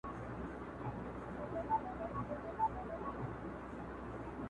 پیدا کړي خدای له اصله ظالمان یو!.